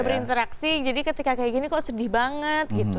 berinteraksi jadi ketika kayak gini kok sedih banget gitu